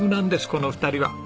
この２人は。